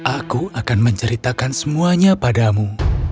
aku akan menceritakan semuanya padamu